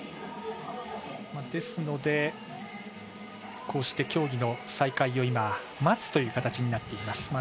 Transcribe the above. ですので、こうして競技の再開を待つという形になっています。